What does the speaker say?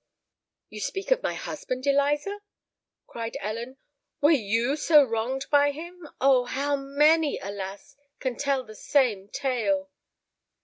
"You speak of my husband, Eliza?" cried Ellen. "Were you also wronged by him? Oh! how many, alas! can tell the same tale!"